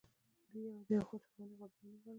دوی یوازې یو خاص افغاني غورځنګ نه ګڼو.